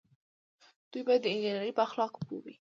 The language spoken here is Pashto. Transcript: دوی باید د انجنیری په اخلاقو پوه وي.